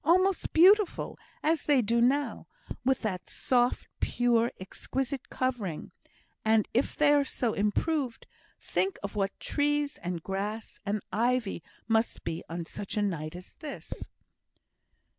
almost beautiful as they do now, with that soft, pure, exquisite covering; and if they are so improved, think of what trees, and grass, and ivy must be on such a night as this."